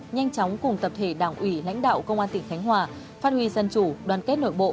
nhanh chóng cùng tập thể đảng ủy lãnh đạo công an tỉnh khánh hòa phát huy dân chủ đoàn kết nội bộ